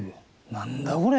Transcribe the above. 何だこれ！